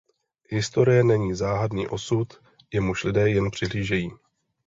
Historie není záhadný osud, jemuž lidé jen přihlížejí.